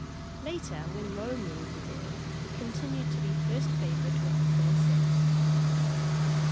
Later, when Rome ruled the world, he continued to be first favorite with the fair sex.